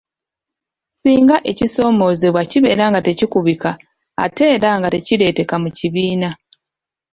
Singa ekisomesebwa kibeera nga tekikubika ate era nga tekireeteka mu kibiina.